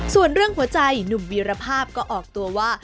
ส่วนเรื่องหัวใจหนุ่มวีรภาพก็ออกตัวว่า